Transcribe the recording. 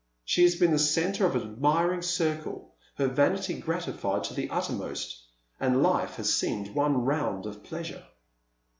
She has been the centre of an admiring circle, her vanity gratified to the uttermost, and life has seemed one round of pleasure.